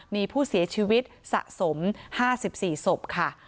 มีผู้เสียชีวิตสะสม๕๔ศพค่ะ